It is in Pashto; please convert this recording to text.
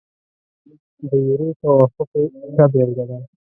د یورو توافق یې ښه بېلګه ده.